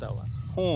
ほう。